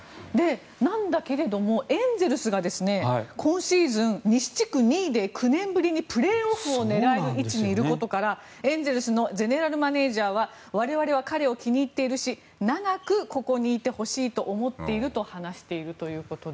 なんだけれどもエンゼルスが今シーズン西地区２位で９年ぶりにプレーオフを狙える位置にいることからエンゼルスのゼネラルマネジャーは我々は彼を気に入っているし長くここにいてほしいと思っていると話しているということで。